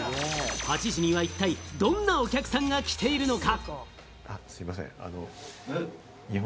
８時には一体どんなお客さんが来ているのか？